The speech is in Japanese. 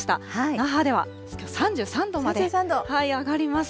那覇では３３度まで上がります。